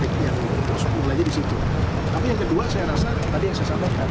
tapi yang kedua saya rasa tadi yang saya sampaikan